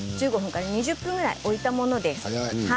１５分から２０分ぐらい置いたものです。